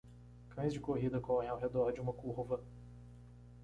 Cães de corrida correm ao redor de uma curva.